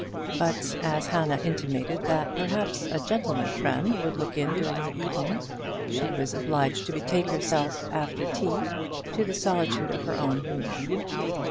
But as Hannah intimated that perhaps a gentleman friend would look in during the evening, she was obliged to betake herself, after tea, to the solitude of her own room.